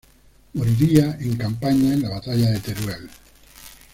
Moriría en campaña en la Batalla de Teruel.